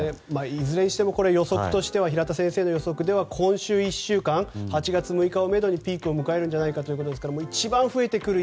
いずれにしても平田先生の予測では今週１週間８月６日をめどにピークを迎えるのではないかということですから一番増えてくる１